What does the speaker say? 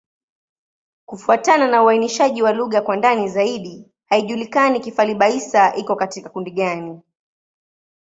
Kufuatana na uainishaji wa lugha kwa ndani zaidi, haijulikani Kifali-Baissa iko katika kundi gani.